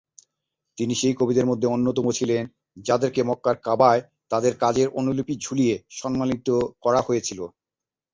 তিনি সেই কবিদের মধ্যে অন্যতম ছিলেন যাদেরকে মক্কার কাবায় তাদের কাজের অনুলিপি ঝুলিয়ে সম্মানিত করা হয়েছিল।